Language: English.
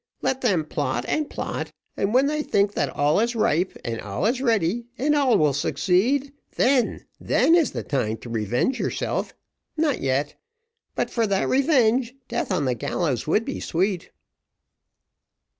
Let them plot and plot, and when they think that all is ripe, and all is ready, and all will succeed then then is the time to revenge yourself not yet but for that revenge, death on the gallows would be sweet."